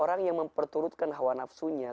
orang yang memperturutkan hawa nafsunya